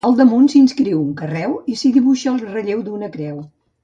Al damunt s'hi inscriu un carreu i s'hi dibuixa el relleu d'una creu.